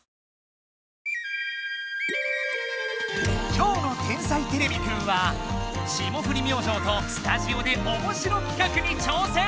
きょうの「天才てれびくん」は霜降り明星とスタジオでおもしろ企画に挑戦！